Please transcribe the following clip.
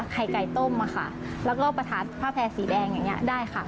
ไข่ไก่ต้มค่ะแล้วก็ประทัดผ้าแพร่สีแดงอย่างนี้ได้ค่ะ